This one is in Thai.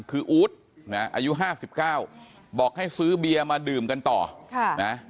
คืออู๊ดนะอายุ๕๙บอกให้ซื้อเบียร์มาดื่มกันต่อนะ